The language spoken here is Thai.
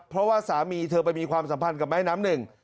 เพราะว่าสามีเธอไปมีความสัมพันธ์กับแม่น้ำหนึ่ง